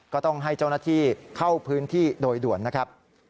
ก็ต้องให้เจ้าหน้าที่เข้าพื้นที่โดยด่วนนะครับ